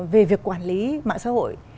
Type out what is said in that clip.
về việc quản lý mạng xã hội